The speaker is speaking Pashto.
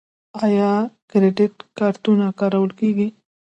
آیا کریډیټ کارتونه کارول کیږي؟